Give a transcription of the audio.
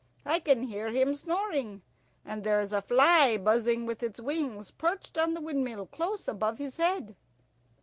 I can hear him snoring. And there is a fly buzzing with its wings, perched on the windmill close above his head."